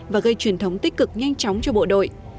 và gây truyền thống tích cực nhanh chóng cho bộ đội